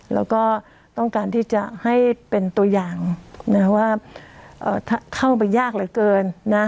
แล้วก็ต้องการที่จะให้เป็นตัวอย่างว่าเข้าไปยากเหลือเกินนะ